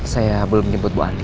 saya belum jemput bu andin